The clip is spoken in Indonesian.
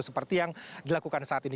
seperti yang dilakukan saat ini